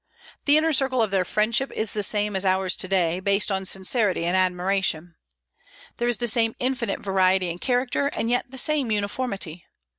The inner circle of their friendship is the same as ours to day, based on sincerity and admiration. There is the same infinite variety in character, and yet the same uniformity.